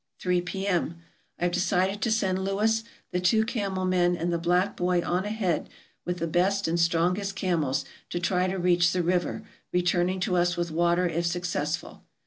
Three p.m. I have decided to send Lewis, the two camel men, and the black boy on ahead with the best and strongest camels, to try to reach the river, returning to us with water if successful.